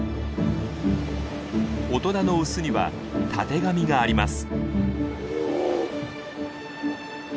大人のオスにはたてがみがあります。